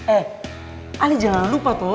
eh ale jangan lupa toh